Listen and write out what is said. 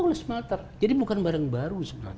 oleh smelter jadi bukan barang baru sebenarnya